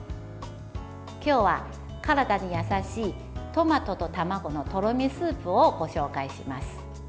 今日は体に優しいトマトと卵のとろみスープをご紹介します。